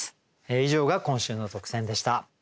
以上が今週の特選でした。